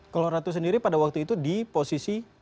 kalau ratu sendiri pada waktu itu di posisi